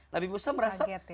nabi musa merasa